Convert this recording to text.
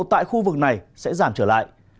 tại khu vực này sẽ giảm trở lại